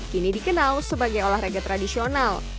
kini dikenal sebagai olahraga tradisional